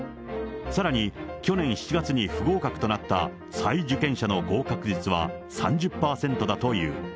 さらに、去年７月に不合格となった再受験者の合格率は３０％だという。